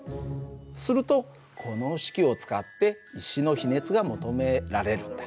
するとこの式を使って石の比熱が求められるんだ。